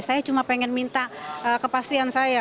saya cuma pengen minta kepastian saya